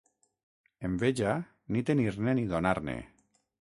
Enveja, ni tenir-ne ni donar-ne.